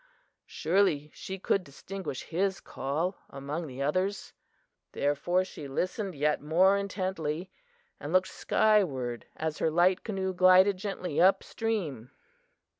Surely she could distinguish his call among the others! Therefore she listened yet more intently, and looked skyward as her light canoe glided gently up stream.